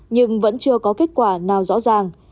nhưng vẫn chưa có kết quả nào rõ ràng